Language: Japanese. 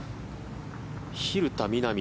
蛭田みな美